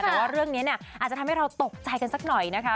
แต่ว่าเรื่องนี้เนี่ยอาจจะทำให้เราตกใจกันสักหน่อยนะคะ